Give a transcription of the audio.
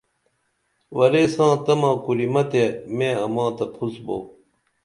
ورے ساں تمہ کُرِمہ تے مے اماں تہ پُھس بُو